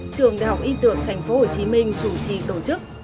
trường đh y dược tp hcm chủ trì tổ chức